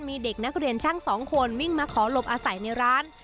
มีเด็กนักเรียนช่างสองคนวิ่งมาขอหลบอาศัยในร้าน